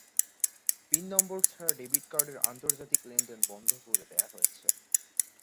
Pin number ছাড়া debit কার্ডের আন্তর্জাতিক লেনদেন বন্ধ করে দেওয়া হয়েছে।